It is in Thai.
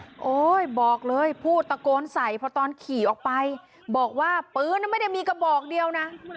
โอ้โหบอกเลยพูดตะโกนใส่พอตอนขี่ออกไปบอกว่าปืนไม่ได้มีกระบอกเดียวนะ